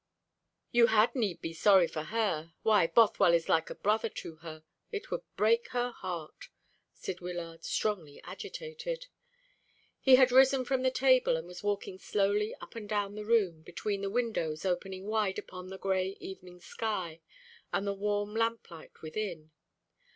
"You had need be sorry for her. Why, Bothwell is like a brother to her. It would break her heart," said Wyllard, strongly agitated. He had risen from the table, and was walking slowly up and down the room, between the windows opening wide upon the gray evening sky, and the warm lamplight within.